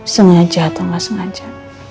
sengaja atau gak sengaja